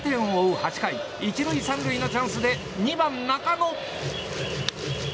８回１塁３塁のチャンスで２番、中野。